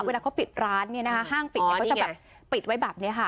เวลาเค้าปิดร้านเนี่ยก็จะปิดออกไว้แบบนี้ค่ะ